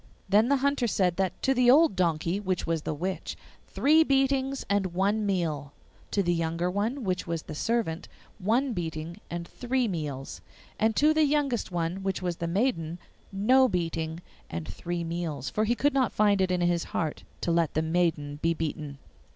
Then the Hunter said that to the old donkey, which was the witch, three beatings and one meal; to the younger one, which was the servant, one beating and three meals; and to the youngest one, which was the maiden, no beating and three meals; for he could not find it in his heart to let the maiden be beaten.